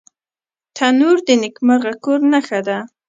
تنور د نیکمرغه کور نښه ده